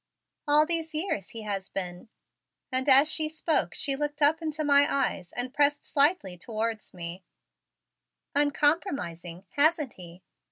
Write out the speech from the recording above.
All these years he has been" and as she spoke she looked up into my eyes and pressed slightly towards me "uncompromising, hasn't he?"